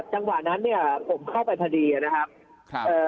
จังหวะนั้นเนี่ยผมเข้าไปพอดีนะครับเอ่อ